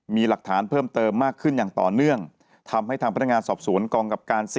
มีหลักฐานเพิ่มเติมมากขึ้นอย่างต่อเนื่องทำให้ทางพนักงานสอบสวนกองกับการ๔